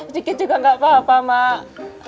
dikit juga gak apa apa mak